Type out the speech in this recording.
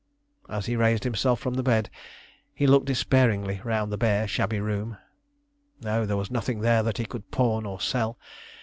As he raised himself from the bed he looked despairingly round the bare, shabby room. No; there was nothing there that he could pawn or sell.